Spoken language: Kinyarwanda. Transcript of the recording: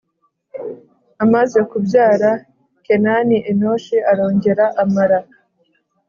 Amaze kubyara kenani enoshi arongera amara